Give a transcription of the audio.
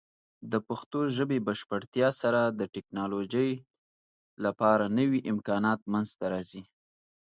د پښتو ژبې بشپړتیا سره، د ټیکنالوجۍ لپاره نوې امکانات منځته راځي.